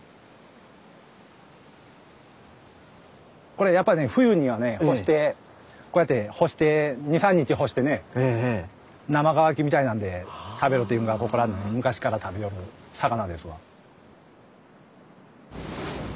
これやっぱね冬にはね干してこうやって干して２３日干してね生乾きみたいなんで食べるというのがここらの昔から食べよる魚ですわ。